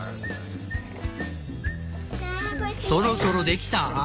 「そろそろできた？」。